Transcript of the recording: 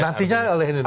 nantinya oleh indonesia